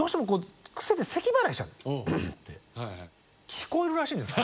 聞こえるらしいんですよ。